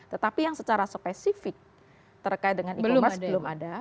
tetapi yang secara spesifik terkait dengan e commerce belum ada